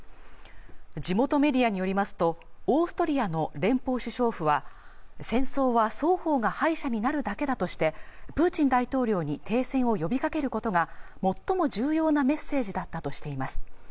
地元メディアによりますとオーストリアの連邦首相府は戦争は双方が敗者になるだけだとしてプーチン大統領に停戦を呼びかけることが最も重要なメッセージだったとしています